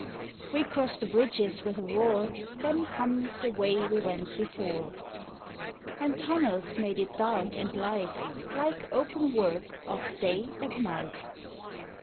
We crossed the bridges with a roar, Then hummed, the way we went before. And tunnels made it dark and light Like open work of day and night.